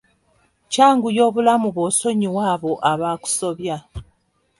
Kyanguya obulamu bw'osonyiwa abo abaakusobya.